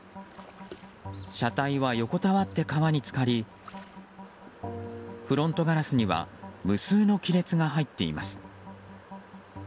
車体は横たわって川に浸かりフロントガラスには無数の亀裂が入っています。